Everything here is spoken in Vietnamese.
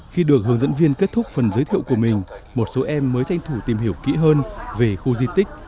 khi được hướng dẫn viên kết thúc phần giới thiệu của mình một số em mới tranh thủ tìm hiểu kỹ hơn về khu di tích